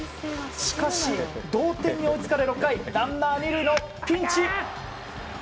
しかし、同点に追いつかれ６回ランナー２塁のピンチ。